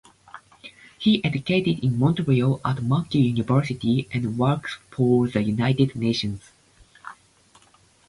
He educated in Montreal at Mcgill University and worked for the United Nations.